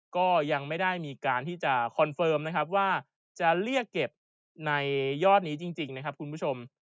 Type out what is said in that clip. ก็ยังไม่ได้มีการที่จะคอนเฟิร์มนะครับว่าจะเรียกเก็บในยอดนี้จริงนะครับคุณผู้ชม